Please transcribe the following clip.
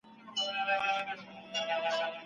آثر د خپل یوه نظر وګوره